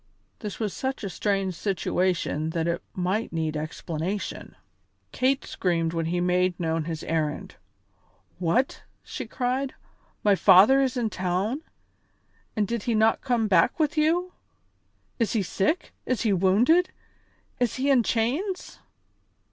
This was such a strange situation that it might need explanation. Kate screamed when he made known his errand. "What!" she cried, "my father in the town, and did he not come back with you? Is he sick? Is he wounded? Is he in chains?"